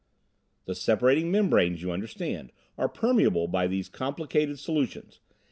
"The separating membranes, you understand, are permeable by these complicated solutions.